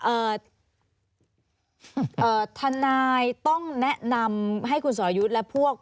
อ่าทนายต้องแนะนำให้คุณสอยุธและพวก